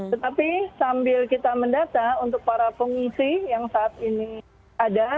tetapi sambil kita mendata untuk para pengungsi yang saat ini ada